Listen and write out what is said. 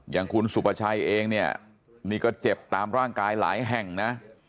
อย่างคุณสุภาชัยเองเนี่ยนี่ก็เจ็บตามร่างกายหลายแห่งนะ